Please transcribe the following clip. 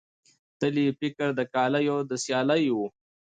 تل یې فکر د کالیو د سیالۍ وو